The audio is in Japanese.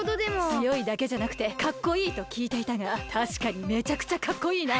つよいだけじゃなくてかっこいいときいていたがたしかにめちゃくちゃかっこいいな。